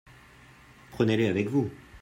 Prenez-les avec vous.